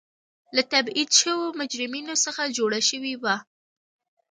له تبعید شویو مجرمینو څخه جوړه شوې وه.